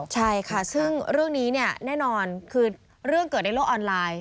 ใช่ค่ะซึ่งเรื่องนี้เนี่ยแน่นอนคือเรื่องเกิดในโลกออนไลน์